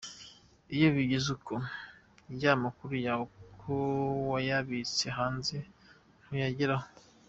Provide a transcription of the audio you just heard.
Iyo bigenze uko, ya makuru yawe kuko wayabitse hanze ntuyageraho.